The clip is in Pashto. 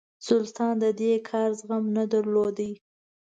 سلطان د دې کار زغم نه درلود.